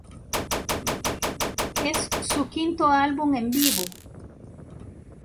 Es su quinto álbum en vivo.